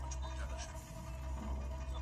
د خاورې دروېش